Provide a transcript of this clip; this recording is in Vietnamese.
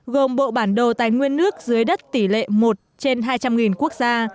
gồm bộ bản đồ tài nguyên nước dưới đất tỷ lệ một trên hai trăm linh quốc gia